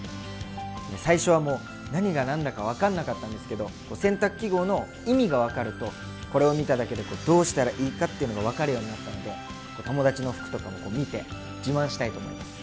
最初はもう何が何だか分かんなかったんですけど洗濯記号の意味が分かるとこれを見ただけでどうしたらいいかっていうのが分かるようになったので友達の服とか見て自慢したいと思います。